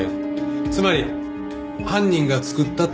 つまり犯人が作ったって事なんだよ。